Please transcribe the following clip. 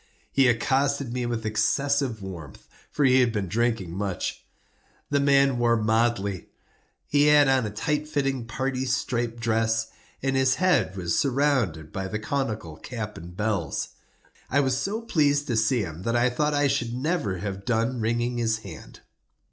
He accosted me with excessive warmth, for he had been drinking much. The man wore motley. He had on a tight fitting parti striped dress, and his head was surmounted by the conical cap and bells. I was so pleased to see him, that I thought I should never have done wringing his hand.